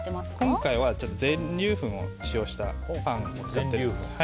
今回は全粒粉を使ったパンを使っています。